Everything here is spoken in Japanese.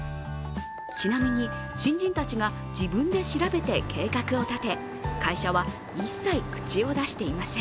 ちなみに新人たちが自分で調べて計画を立て会社は一切口を出していません。